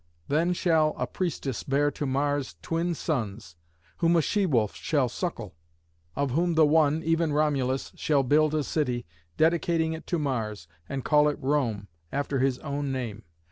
Then shall a priestess bear to Mars twin sons, whom a she wolf shall suckle; of whom the one, even Romulus, shall build a city, dedicating it to Mars, and call it Rome, after his own name.